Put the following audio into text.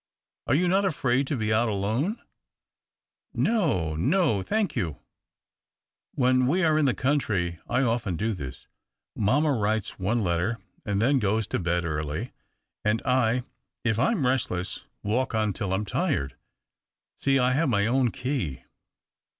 " Are you not afraid to be out alone ?"" No — no, thank you. AYhen we are in the country, I often do this. Mamma writes one letter, and then goes to bed early — and I, if I'm restless, walk until I'm tired. See — I have my own key."